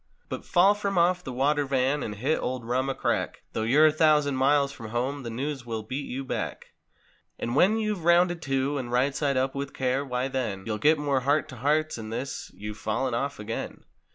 But! fall from off the "water van" and hit old "rum" a crack Though you're a thousand miles from home the news will beat you bacL 55 And when you've "rounded to" and "right side up with care" why then You'll get more "heart to hearts," and this: "You've fallen off again."